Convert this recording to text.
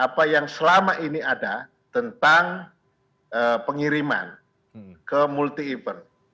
apa yang selama ini ada tentang pengiriman ke multi event